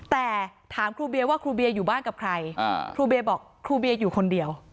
แต่ถามครูเบียว่าครูเบียอยู่บ้านกับใครครูเบียบอกครูเบียอยู่คนเดียว